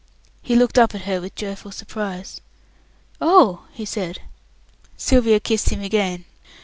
He looked up at her with joyful surprise. "Oh!" he said. Sylvia kissed him again.